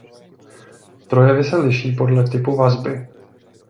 Projevy se liší podle typu vazby.